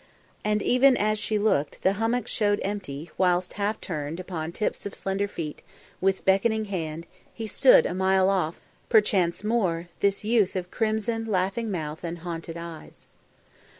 And even as she looked, the hummock showed empty, whilst, half turned, upon tips of slender feet, with beckoning hand, he stood a mile off, perchance more, this youth of crimson, laughing mouth and haunting eyes.